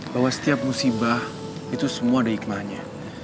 bahwa setiap musibah itu semua ada hikmahnya